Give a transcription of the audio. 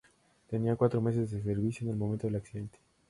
Tenía cuatro meses de servicio en el momento del accidente.